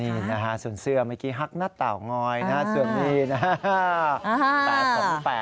นี่นะฮะส่วนเสื้อเมื่อกี้ฮักหน้าเตางอยนะส่วนนี้นะฮะ